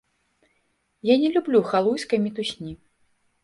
Я не люблю халуйскай мітусні.